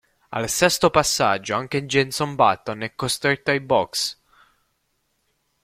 Al sesto passaggio anche Jenson Button è costretto ai box.